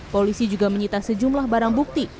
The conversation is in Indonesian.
polisi juga menyita sejumlah barang bukti